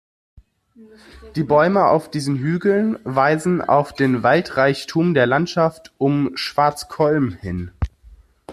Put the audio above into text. Die Bäume auf diesen Hügeln weisen auf den Waldreichtum der Landschaft um Schwarzkollm hin.